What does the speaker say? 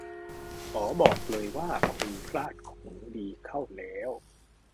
ขอบอกเลยว่าคุณพลาดของดีเข้าแล้ว